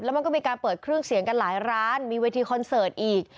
มันก็มีการเปิดเครื่องเสียงกันหลายร้านมีเวทีคอนเสิร์ตอีก